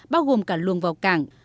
bao gồm cả luồng vào cảng